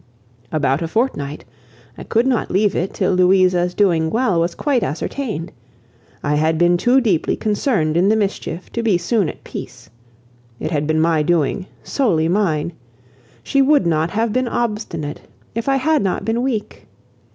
"About a fortnight. I could not leave it till Louisa's doing well was quite ascertained. I had been too deeply concerned in the mischief to be soon at peace. It had been my doing, solely mine. She would not have been obstinate if I had not been weak.